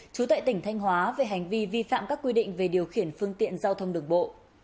trú tại tỉnh thanh hóa về hành vi vi phạm các quy định về điều khiển phương tiện giao thông đường bộ